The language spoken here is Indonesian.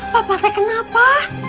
pak patik kenapa